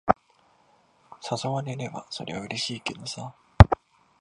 誘われれば、そりゃうれしいけどさ。